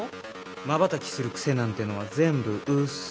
まばたきする癖なんてのは全部嘘。